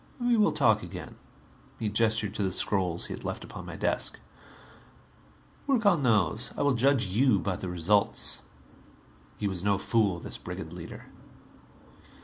"We will talk again." He gestured to the scrolls he had left upon my desk. "Work on those. I will judge you by the results." He was no fool, this brigand leader.